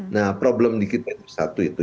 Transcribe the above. nah problem di kita itu satu itu